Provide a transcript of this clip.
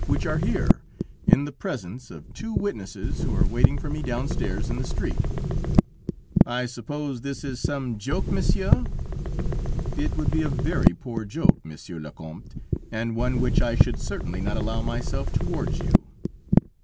which are here, in the presence of two witnesses who are waiting for me downstairs in the street." "I suppose this is some joke, Monsieur?" "It would be a very poor joke, Monsieur le Comte, and one which I should certainly not allow myself towards you!"